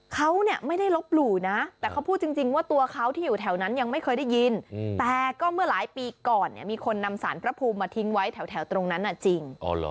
เขาเนี่ยไม่ได้ลบหลู่นะแต่เขาพูดจริงว่าตัวเขาที่อยู่แถวนั้นยังไม่เคยได้ยินแต่ก็เมื่อหลายปีก่อนเนี่ยมีคนนำสารพระภูมิมาทิ้งไว้แถวตรงนั้นจริง